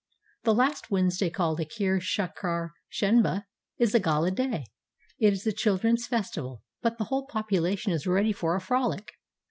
The last Wednesday, called Akhir Chahar Shenba, is a gala day. It is the children's fes tival, but the whole population is' ready for a frolic.